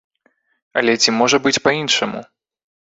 Але ці можа быць па-іншаму?